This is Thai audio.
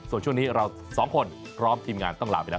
ส่วนช่วงนี้เราสองคนพร้อมทีมงานต้องลาไปแล้ว